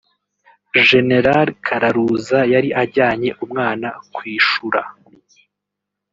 General Kararuza yari ajanye umwana kw’ishura